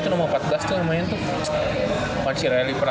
itu nomor empat belas tuh yang main tuh